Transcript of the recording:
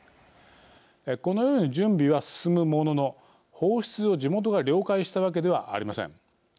このように準備は進むものの放出を地元が了解したわけではありません。